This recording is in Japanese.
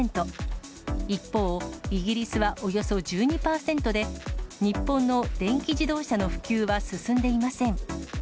一方、イギリスはおよそ１２％で、日本の電気自動車の普及は進んでいません。